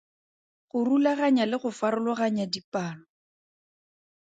Go rulaganya le go farologanya dipalo.